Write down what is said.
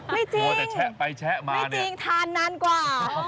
ไม่จริงไม่จริงทานนานกว่า